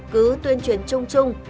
cứ tuyên truyền chung chung